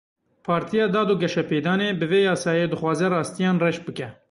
Partiya Dad û Geşepêdanê bi vê yasayê dixwaze rastiyan reş bike.